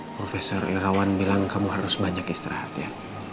profesor irawan bilang kamu harus banyak istirahat ya